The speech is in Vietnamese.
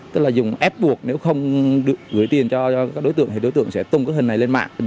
tức là dùng ép buộc nếu không gửi tiền cho các đối tượng thì đối tượng sẽ tung cái hình này lên mạng